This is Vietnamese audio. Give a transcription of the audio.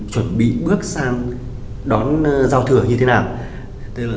chuẩn bị bước sang đón giao thừa như thế nào